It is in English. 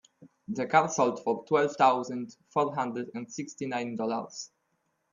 The car sold for twelve thousand four hundred and sixty nine Dollars.